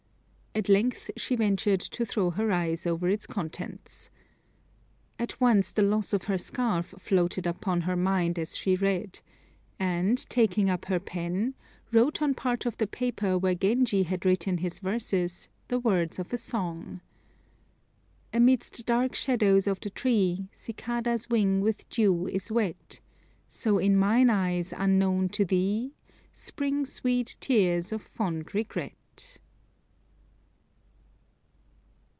At length she ventured to throw her eyes over its contents. At once the loss of her scarf floated upon her mind as she read, and, taking up her pen, wrote on part of the paper where Genji had written his verses, the words of a song: "Amidst dark shadows of the tree, Cicada's wing with dew is wet, So in mine eyes unknown to thee, Spring sweet tears of fond regret."